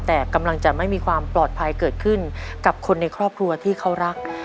แต่กำลังจะไม่มีความปลอดภัยเกิดขึ้นกับคนในครอบครัวที่เขารัก